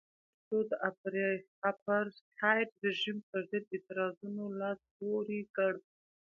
تور پوستو د اپارټایډ رژیم پرضد اعتراضونو لاس پورې کړ.